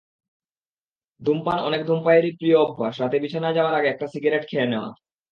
ধূমপানঅনেক ধূমপায়ীরই প্রিয় অভ্যাস রাতে বিছানায় যাওয়ার আগে একটা সিগারেট খেয়ে নেওয়া।